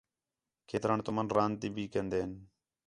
کھیتران تُمن راند بھی کندین